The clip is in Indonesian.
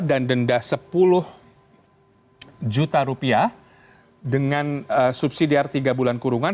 denda sepuluh juta rupiah dengan subsidiar tiga bulan kurungan